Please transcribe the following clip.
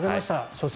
初戦。